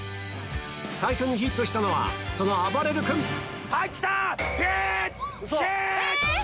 最初にヒットしたのはその「あばれる君」はいきた！